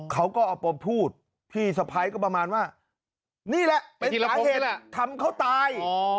เขาก็พูดพี่สะพายก็ประมาณว่านี่ละเป็นศาเหตุธังเขาตาย